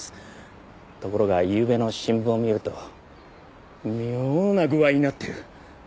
ところがゆうべの新聞を見ると妙な具合になってる。